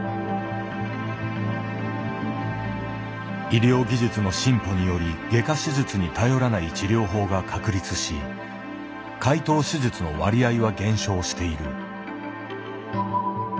医療技術の進歩により外科手術に頼らない治療法が確立し開頭手術の割合は減少している。